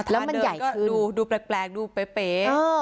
แล้วมันใหญ่คือดูแปลกดูเป๊ะ